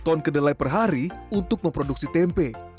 enam puluh ton kedelai per hari untuk memproduksi tempe